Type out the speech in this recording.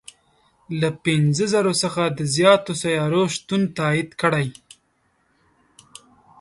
له پنځه زرو څخه د زیاتو سیارو شتون تایید کړی.